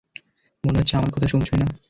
মনে হচ্ছে আমার কথা শুনছোই না।